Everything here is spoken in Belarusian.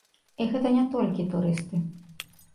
І гэта не толькі турысты.